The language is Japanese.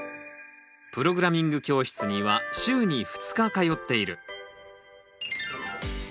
プログラミング教室には週に２日通っている。